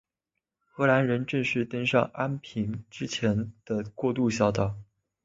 荷兰人正式登上安平之前的过渡小岛。